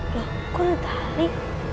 loh kok ditarik